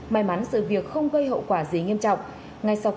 may mắn sự việc không gây hậu quả gì nghiêm trọng